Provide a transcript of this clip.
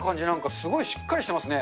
すごいしっかりしてますね。